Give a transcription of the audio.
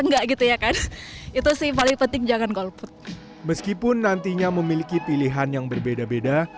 enggak gitu ya kan itu sih paling penting jangan golput meskipun nantinya memiliki pilihan yang berbeda beda